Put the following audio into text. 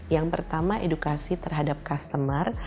yang pertama edukasi terhadap customer